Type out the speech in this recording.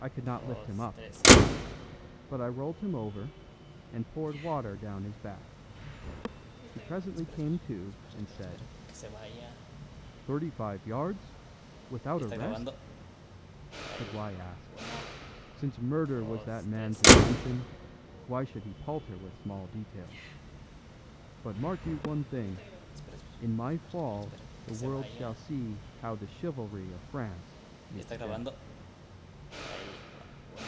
... I could not lift him up, of course; but I rolled him over, and poured water down his back. He presently came to, and said: "Thirty five yards without a rest? But why ask? Since murder was that man's intention, why should he palter with small details? But mark you one thing: in my fall the world shall see how the chivalry of France meets death."